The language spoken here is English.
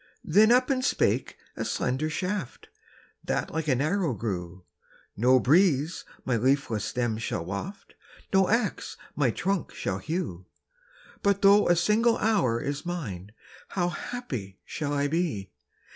Then up and spake a slender shaft, That like an arrow grew; "No breeze my leafless stem shall waft, No ax my trunk shall hew But though a single hour is mine, How happy shall I be!